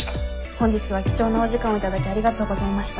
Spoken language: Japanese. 本日は貴重なお時間を頂きありがとうございました。